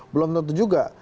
belum tentu juga